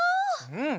うん！